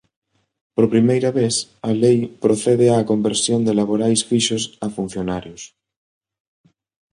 Por primeira vez, a lei procede á conversión de laborais fixos a funcionarios.